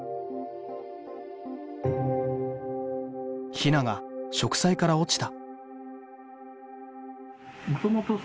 ひなが植栽から落ちた。